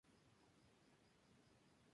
Cipselas con papus amarillento.